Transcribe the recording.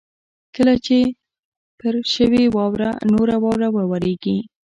کله چې پر شوې واوره نوره واوره ورېږي.